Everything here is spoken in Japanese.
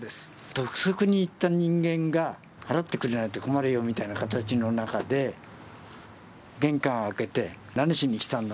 督促に行った人間が、払ってくれないと困るよみたいな形の中で、玄関開けて、何しに来たんだ！